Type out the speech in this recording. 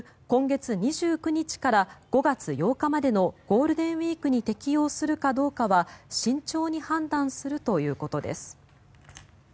今月２９日から５月８日までのゴールデンウィークに適用するかどうかは慎重に判断するということです。